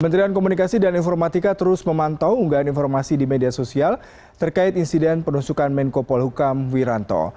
kementerian komunikasi dan informatika terus memantau unggahan informasi di media sosial terkait insiden penusukan menko polhukam wiranto